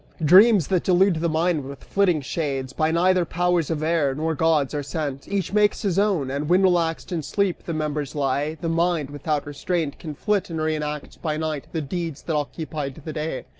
Dreams that delude the mind with flitting shades By neither powers of air nor gods, are sent: Each makes his own! And when relaxed in sleep The members lie, the mind, without restraint Can flit, and re enact by night, the deeds That occupied the day.